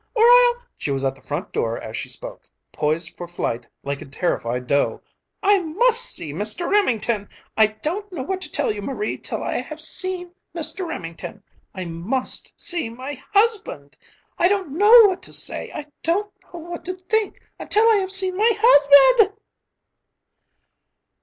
or I'll..." She was at the front door as she spoke, poised for flight like a terrified doe. "I must see Mr. Remington! I don't know what to tell you, Marie, till I have seen Mr. Remington! I must see my husband! I don't know what to say, I don't know what to think, until I have seen my husband."